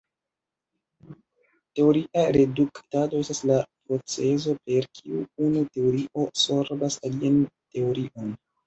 Teoria reduktado estas la procezo per kiu unu teorio sorbas alian teorion.